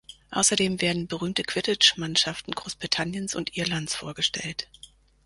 Außerdem werden berühmte Quidditch-Mannschaften Großbritanniens und Irlands vorgestellt.